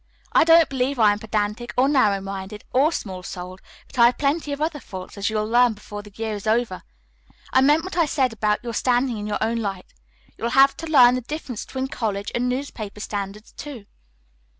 I don't believe I am pedantic or narrow minded or small souled, but I have plenty of other faults, as you'll learn before the year is over. I meant what I said about your standing in your own light. You'll have to learn the difference between college and newspaper standards, too."